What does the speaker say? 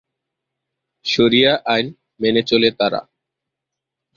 শরিয়া আইন মেনে চলে তারা।।